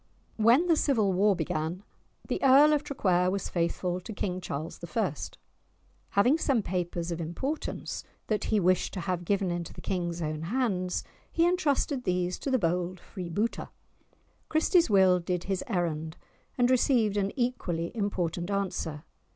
When the Civil War began, the Earl of Traquair was faithful to King Charles I. Having some papers of importance that he wished to have given into the King's own hands, he entrusted these to the bold freebooter. Christie's Will did his errand, and received an equally important answer.